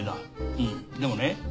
うんでもね